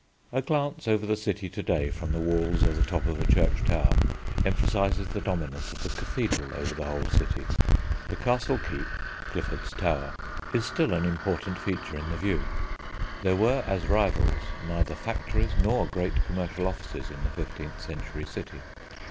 A glance over the city to day from the Walls or the top of a church tower emphasises the dominance of the cathedral over the whole city. The castle keep (Clifford's Tower) is still an important feature in the view. There were as rivals neither factories nor great commercial offices in the fifteenth century city.